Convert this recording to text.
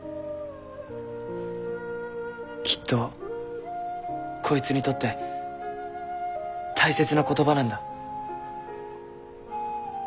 きっとこいつにとって大切な言葉なんだ。